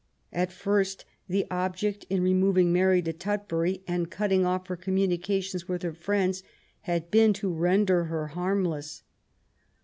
At first the object in removing Mary to Tutbury, and cutting off her communications with her friends, had been to render her harmless.